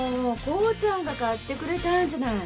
公ちゃんが買ってくれたんじゃない。